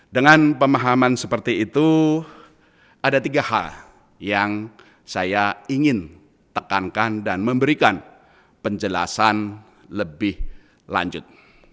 dengan pemahaman seperti itu ada tiga hal yang saya ingin tekankan dan memberikan penjelasan lebih lanjut